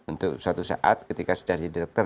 untuk suatu saat ketika sudah jadi direktur